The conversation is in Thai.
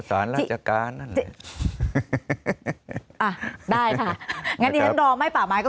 สารราชการนั่นแหละอ่าได้ค่ะงั้นที่ฉันรอไม่ป่าไม้ก็